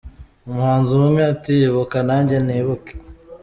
Umuhanzi umwe ati “Ibuka nanjye nibuke”